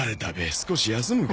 少し休むか。